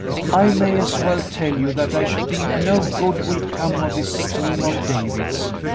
I may as well tell you that I think no good will come of this scheme of David's.